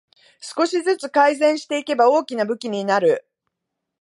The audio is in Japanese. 少しずつ改善していけば大きな武器になる